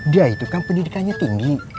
dia itu kan pendidikannya tinggi